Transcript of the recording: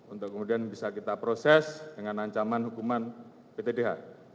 untuk kemudian bisa kita proses dengan ancaman hukuman ptdh